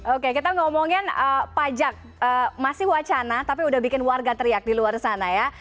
oke kita ngomongin pajak masih wacana tapi udah bikin warga teriak di luar sana ya